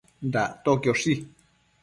Dactoquioshi